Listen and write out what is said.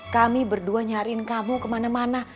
kami berdua nyariin kamu kemana mana